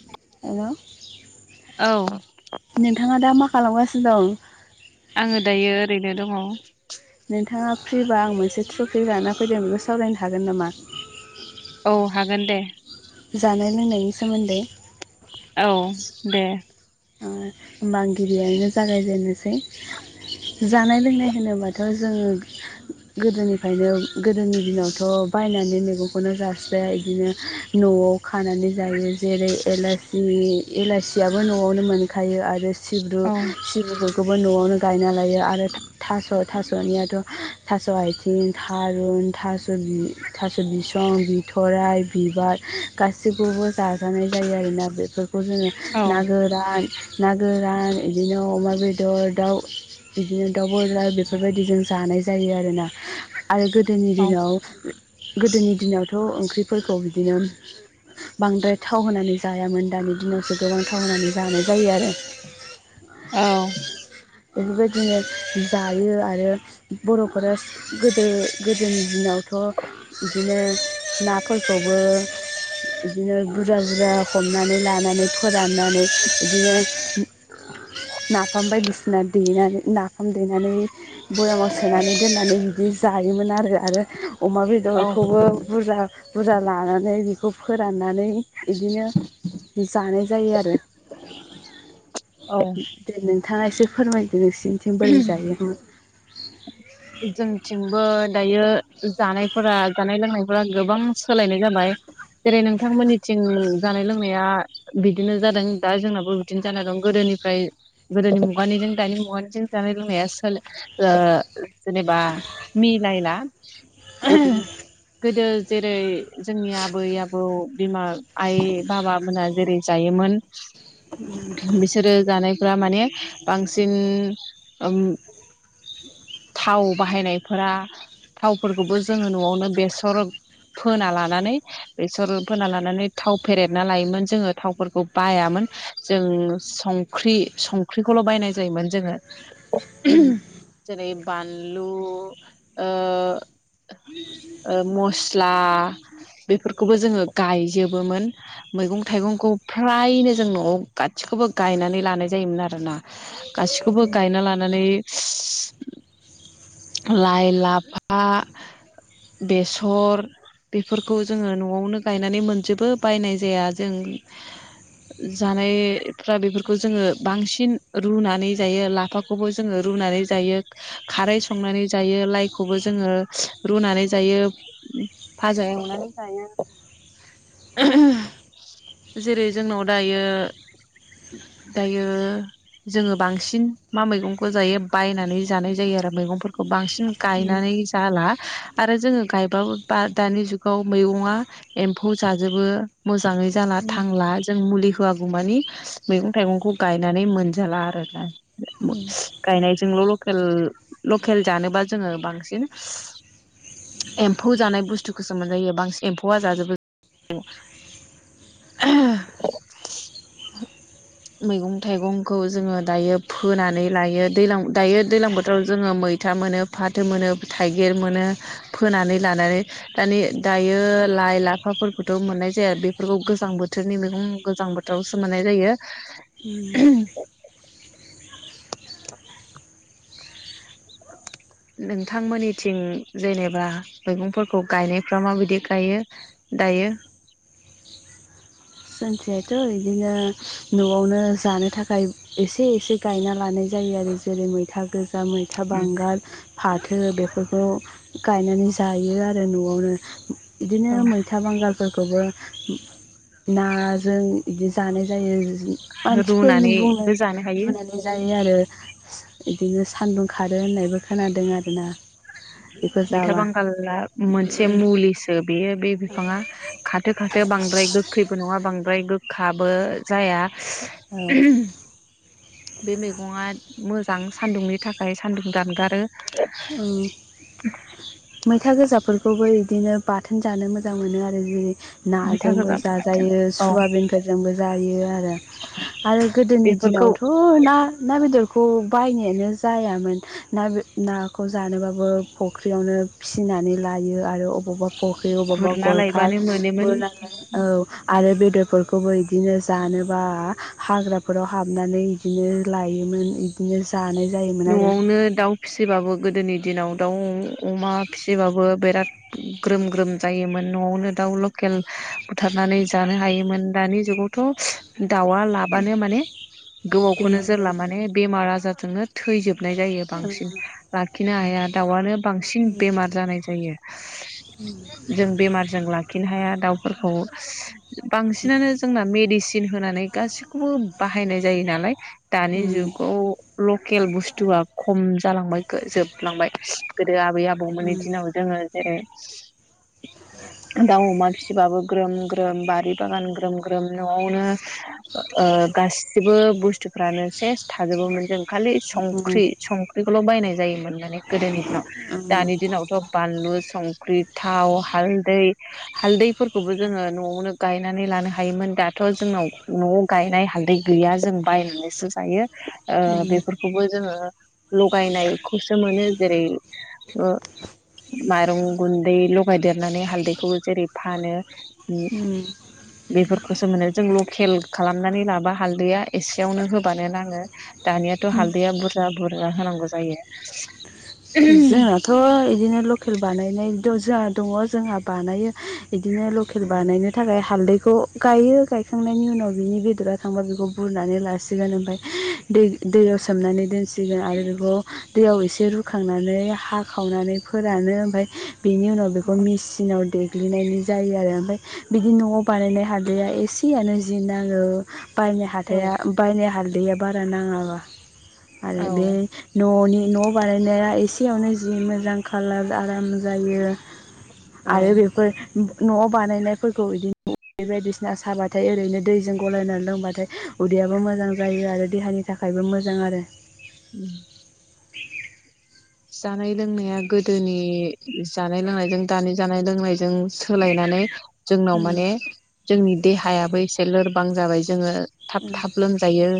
[inaudible] हेल' औ नोंथाङा दा मा खालामगासिनो दं। आङो दायो ओरैनो दङ। नोंथाङा फ्रिबा आं मोनसे थ्रफ्रिग लाना फैदों बेखौ सावरायनो हागोन नामा। औ हागोन दे। जानाय। लोंनायनि सोमोन्दै औ दे। ओ बांगिरियनो जागायजेननोसै जानाय लोंनाय होनोबाथ' जोङो गोदोनिफ्रायनो गोदोनि दिनावथ' बायनानै मैंखौनो जाासाया बिदिनो न'आव खानानै जायो जेरै न बनो मोनखायो आरो सिब्रु औ सिब्रुफोरखौबो न'आवनो गायना लायो आरो थास' थास'नियाथ' थास' आथिं थारुन थास' थास' बिसं बिथरराय बिबार गासिखौबो जाजानाय जायो आरोना बेफोर जोङो औ ान ना गोरान बिदिनो अमा बेदर दाउ बिदिनो दाउ बेदार बेफोरबायदि जों जानाय जायो आरोना। आरो गोनि दिाव गोदोनि दिनाव ब' ओंख्रिफोरखौ बिदिनो बांद्राय थाव होनानै जायामोन दानि दिनावसो गोबां थावनानै जानाय जायो आरो औ बेफोरबायदिनो जायो आरो बर'फोरा गोदो गोदोनि दिनावथ' बिदिनो नाफोरखौबो बिदिनो बुरजा बुरजा हमनानै लानानै फोराननानै बिदिनो नाफाम बायदिसिना देनानै नाफाम देनानै बयामाव सोनानै दोननानै बिदि जायोमोन आरो आरो अमा औ बेदरखौबो बुरजा बुरजा लानानै बेखौ फोराननानै बिदिनो जानै जायो आरो बि दिनो थां इसो फोरमाय जोंनिथिंबो दायो जानायफोरा जानाय लोंनायफोरा गोबां सोलायनाय जाबाय जेरै नोंथांमोननिथिं जानाय लोंनाया बिदिनो जादों दा जोंनाबो बिदिनो जानाय दं गोदोनिफ्राय गोदोनि मुगानिजों दानि मुगानिजों जानाय लोंनाया सो ओ जेनेबा मिलायला गोदो जेरै जोंनि आबै आबौ बिमा आइ बाबा मोना जेरै जायोमोन बिसोरो जानाय फ्रा माने बांसिन ओम थाव बाहायनायफोरा थावफोरखौबो जोङो नआवनो बेसर फोना लानानै बेसर फोना लानानै थाव फेरेदना लायोमोन जोङो थावफोरखौ बायामोन जों संख्रि संख्रिखौल बायना जायोमोन जोङो। जेरै- बानलु ओ मस्ला बेफोरखौबो जोङो गायजोबोमोन मैगं थाइगंखौ फ्रायनो जों नआव गाैखौबो गायनानै लानाय जायोमोन आरोना गासिखौबो नानै लाइ लाफा बेसर बेफोरखौ जोङो नआवनो गायनानै मोनजोबो बायनाय जाया जों जानायफ्रा बेफोरखौ जोङो बांसिन रुनानै जायो लाफाखौबो जोङो रुनानै जायो खारै संनानै जायो लाइखौबो जोङो रुनानै जायो भाजा एवनानै जायो जेरै जोंनाव दायो दायो जोङो बांसिन मा मैगंखौ जायो बायनानै जानाय जायो आरो मैगं फोरखौ बांसि उम गायनानै जाला आरो जोङो गायबाबो बा दानि जुगाव मैगङा एम्फौ जाजोबो मोजाङै जाला उम थांला जों मुलि होआगौ मानि मैगं थाइगंखौ गायनानै मोनजाला आरोना उम गायनाय जोंल लकेल लकेल जानोबा जोङो बांसिन एम्फौ जानाय बुस्थुखौसो मोनजायो बांसिन एम्फौआ जाजोबो मैगं थाइगंखौ जोङो दायो फोनानै लायो दैलां दायो दैलां बोथोराव जोङो मैथा मोनो फाथो मोनो थाइगिर मोनो फोनानै लानानै दानि दायो लाइ लाफाफोरखौथ मोननाय जाया बेफोरखौ गोजां बोथोरनि मैगं गोजां बोथोरावसो मोननाय जायो उम [inaudible] नोंथांमोननिथिं जेनेबा मैगंफोरखौ गायनायफ्रा माबायदि गायो दायो जोंथिहायथ इदिनो नआवनो जानो थाखाय एसे एसे गायना लानाय जायो आरो जेरै मैथा गोज जा मैथा बांगाल फाथो बेफोरखौ गायनानै जायो आरो नआवनो बिदिनो औ मैथा बांगाल फोरखौबो नाजों बिदि जानाय जायो मानसिफोर बुंनो रुनानैबो जानो हायो लुनानै जायो आरो बिदिनो सान्दुं खारो होननायबो खोनादों आरोना बेखौ मैथा जाबा बांगाला मोनसे मुलिसो बेयो बे बिफाङा खाथो खाथो बांद्राय गोखैबो नङा बांद्राय गोखाबो जाया औ बे मैगंआ मो मोजां सान्दुंनि थाखाय सान्दुं दानगारो मैथा गोजाफोरखौबो बिदिनो बाथोन जानो मोजां मोनो आरो जेरै मैथा नाजोंबो गोजा बाथोन जाजायो औ सुवाबिनफोरजोंबो जायो आरो आरो गोदोनि बेफोरखौ दिनावथ' ना ना बेदर खौ बायनायानो जायामोन ना बे ना‌ खौ जानोबाबो फुख्रियावनो फिसिनानै लायो आरो अबावबा फख्रि बबावबा गुरना गरखा लायबानो मोनोमोन गुरनाय औ आरो बे बेफोरखौबो बिदिनो जानोबा हाग्राफोराव हाबनानै बिदिनो लायोमोन बिदिनो जानाय जायोमोन आरो न'आवनो दाउ फिसिबाबो गोदोनि दिनाव दाउ अमा फिसिबाबो बिराद ग्रोम ग्रोम जायोमोन न'आवनो दाउ लकेल बुथारनानै जानो हायोमोन दानि जुगावथ'‌ दाउ आ लाबानो माने गोबावखौनो बेमारजों जोरला माने बेमार आजार जोङो थैजोब नाय जायो ओं बांसिन लाखिनो हाया। दाउ आनो बांसिन बेमार जानाय जायो। जों बेमारजों लाखिनो हाया दाउफोरखौ। बांसिनानो जोंना मेडिसिन होनानै गासिखौबो बाहायनाय जायो नालाय दानि ओम जुगाव ल केल बुस्थुआ खम जालांबाय जोबलांबाय। गोदो आबै आबौमोननि ओम दिनाव जोङो [unintelligible] दाउ अमा फिसिबाबो ग्रोम ग्रोम बारि बागान ग्रोम ग्रोम न'आवनो ओ गासिबो बुस्थुफ्रानो सेस थाजोबोमोन। जों खालि संख्रि संख्रिखौल' जायोमोन माने गोदोनि दिनाव। दानि दिनावथ' बानलु संख्रि, थाव, हालदै फोरखौबो जोङो न'आवनो गायनानै लानो हायोमोन। दाथ' जोंनाव न'आव गायनाय हालदै गैया जों बायनानैसो जायो। जोंनाथ' ओ जोङो लगायनायखौसो मोनो जेरै माइरं गुन्दै लगायदेरनानै हालदैखौबो जेरै फानो ओम बेफोर खौसो मोनो जों लकेल खालामनानै लाबा हालदैया एसेयावनो होबानो नाङो, दानि हालदैया बुरजा बुर जा होनांगौ जायो। उम जोंहाथ' बिदिनो लकेल बानायनाय जोंहा दङ जोंहा बानायो [inaudible] हालदैखौ गायो, गायखांनायनि उनाव बिनि बेदरा थांबा बेखौ बुरनानै लासिगोन। ओमफ्राय दै दैयाव सोमनानै दोनसिगोन आरो बेखौ दैयाव एसे रु खांनानै हाखावनानै फोरानो ओमफ्राय बेनि उनाव बेखौ मिसिनाव दै ग्लिनायनि जायो आरो ओमफाय बिदि न'आव बानायनाय हालदिया एसेयानो जि नाङो। बायनो औ हाथाया बायनो हाल दैैया बारा नाङाबा। आरो बे न'नि न' बानाय नाया एसेयावनो जि मोजां कालार आराम जायो। औ आरो बेफोर न'आव बानायनायफोरखौ बिदिनो बायदिसिना साबाथाय ओरैनो दैजों गलायनानै लोंबाथाय उदैयाबो मोजां जायो आरो देहानि थाखायबो मोजां आरो। उम। बे [inaudible] [unintelligible] जानाय लोंनाया गोदोनि जानाय लोंनायजों दानि जानाय लोंनायजों सोलायनानै जोंनाव उम माने जोंनि देहायाबो एसे लोरबां जाबाय जोङो थाब उम थाब लोमजायो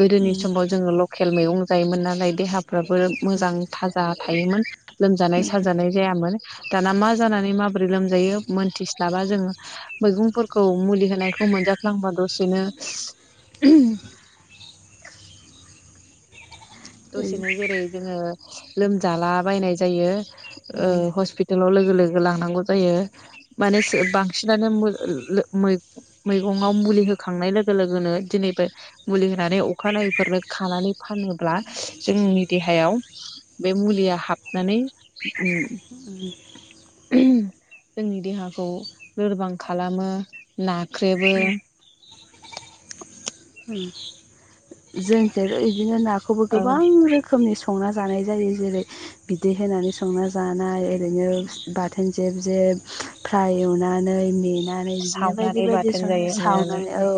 गोदोनि समाव जोङो लकेल मैगं जायोमोन नालाय देहा फोराबो मोजां थायोमोन। लोमजानाय उम साजानाय जायामोन। दाना मा जानानै माबोरै लोमजायो मोनथिस्लाबा जोङो मैगंफोरखौ मुलि होनायखौ मोनजाफ्लांबा दसेनो उ उम दसेनो जेरै जोङो लोमजाला बायनाय जायो। ओ उम हस्पितालाव लो लोगो लानांगौ जायो माने बांसिनानो मो-ओ-लो-मै-मैगंआव मुलि होखांनाय लोगो लोगोनो दिनैबो मुलि होनानै अखानायैफोरनो खानानै फानोब्ला जोंनि देहायाव बे मुलिया हाबनानै उम। जोंनि देहाखौ लोरबां खालामो ना ख्रेबो उम [inaudible] उम। जोंथो इदिनो नाखौबो औ गोबां रोखोमनि स संना जानाय जायो जेरै बिदै होनानै संना जानाय ओरैनो बाथोन जेब जेब फ्राय एवनानै मे नानै बिदिनो बायदि सावनानै बायदि बाथोन सङो जायो होननानै सावनानै औ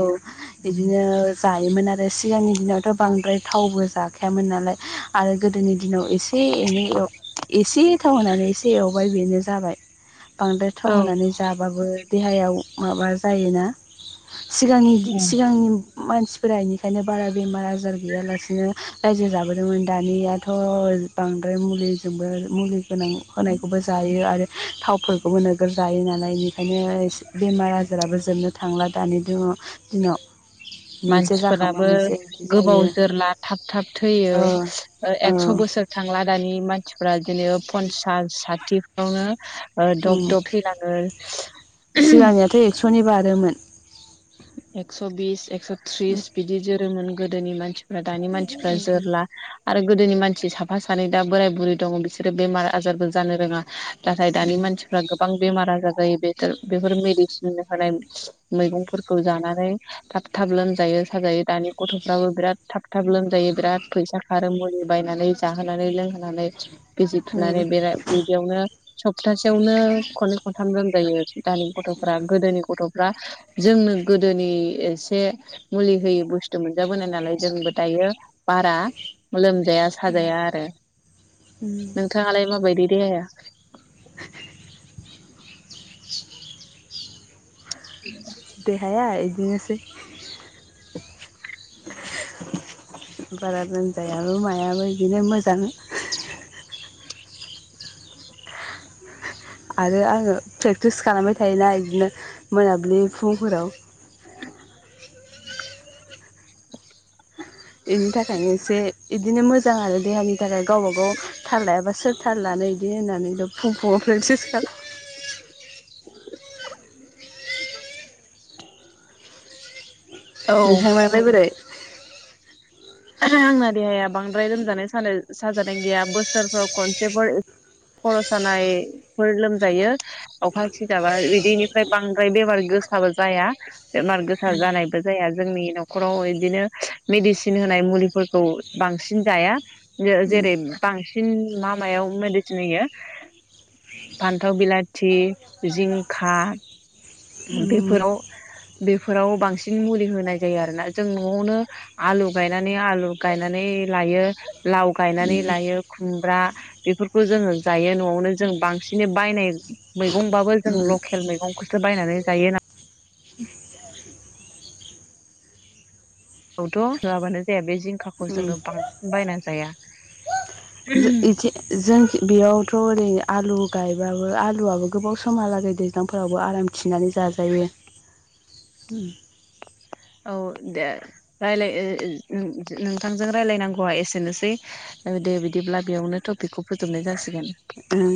इ बिदिनो जायोमोन आरो सिगांनि दिनावथ' बांद्राय थावबो जाखायामोन नालाय आरो गोदोनि दिनाव एसे एनै एसे थाव होनानै एसे एवबाय बेनो जाबाय बांद्राय थाव होनानै जाबाबो देहायाव माबा जायोना औ सिगांनि मानसिफोरा बेनिखायनो बारा बेमार आजार गैयालासिनो रायजो जाबोदोंमोन दानियाथ' बांद्राय मुलिजोंबो मुलि गोनां होनायखौबो जायो आरो थावफोरखौबो नोगोर जायो नालाय बेनिखायनो बेमार आजाराबो जोबनो थांला दानि दिन दिनाव मोनसे जाखांबा मानसिफोराबो मोनसे बिदि गोबाव जायो जोरला थाब थाब थैयो ओ औ एकस' बोसोर थांला दानि मानसि फ्रा बिनो पन्सास साथि नंगौ ना। दब उम दब थैलाङो। सिगांनियाथ एकसनि बारो। बारोमोन। एकस बिस एकस। थ्रिस बिदि जो जोरोमोन गोदोनि मानसि फ्रा दानि मानसिफ्रा जोरला। आरो गोदोनि मानसि साफा सानै दा बोराय बुरि दङ बिसोरो बेमार आजारबो जानो रोङा। नाथाय दानि मानसिफ्रा गोबां बेमार आजार। बे बेफोर मेदिसिन होनाय मैगं। फोरखौ जानानै थाब थाब लोमजायो साजायो दानि गथफ्राबो बिराद थाब थाब लोमजायो बिराद फैसा खारो मुलि बायनानै जाहोनानै लोंहोनानै। बिजि थुनानै बेरा बेदियावनो। सप्तासेयावनो खननै खनथाम लोमजायो आरोखि। दानि गथफोरा गोदोनि गथ। फ्रा। जोंनो गोदोनि एसे मुलि होयि बुस्थु मोनजाबोनाय नालाय जोंबो दायो बारा लोम जाया साजाया आरो नोंथाङालाय माबायदि। [inaudible] [inaudible] देहाया। बिदिनोसै बारा लोमजायाबो मायाबो बिदिनो मोजां। आरो आंङो प्रेक्टिस खालामबाय थायोना इदिनो मोनाबिलि फुंफोराव। [inaudible] बेनि थाखायनो एसे बिदिनो मोजां आरो देहानि थाखाय गावबा गाव थाल लायाबा सोर थाल लानो बिदि होननानै फुं फुङाव प्रेक्टिस खालाम। [inaudible] औ नोंथांमोनालाय बोरै। आंना देहाया बांद्राय लोमजानाय साजानाय गैया बोसोरफ्राव खनसेफोर खर सानायफोर लोमजायो अखा सिजाबा बिदिनिफ्राय बांद्राय बेमार गोसाबो जाया बेमार गोसा जानायबो जाया जोंनि नखराव बिदिनो मेडिसिन दोन। होनाय मैगंफोरखौ बांसिन जाया जेरै बांसिन मा मायाव मुलि होनब्ला फानथाव बिलाथि जिंखा बेफोराव बेफोराव बांसिन मुलि होनाय जायो आरोना जों नआवनो आलु। गायनानै आलु गायनानै लायो लाव गायनानै लायो खुमब्रा बेफोरखौ जोंङो जायो नआवनो जों बांसिनै बायनाय मैगंबाबो जों लकेल मैगंखौसो बायनानै जायो नाय। थ होआबानो जाया बे जिंखाखौ जोंङो बांसिन बायना जाया। इदि जों। बेयावथ ओरै आलु गायबाबो आलुआबो गोबाव समहालागै दैज्लांफोरावबो आराम थिनानै जाजायो। औ दे रायलाय नोंथांजों रायलायनांगौआ एसेनोसै दे बिदिब्ला बेयावनो टपिकखौ फोजोबनाय जासिगोन। ओं।